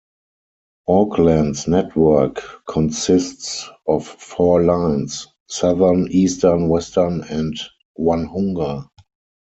Auckland's network consists of four lines: Southern, Eastern, Western and Onehunga.